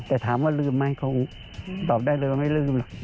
แต่ถามว่าลืมไหมเขาตอบได้เลยว่าไม่ลืมล่ะ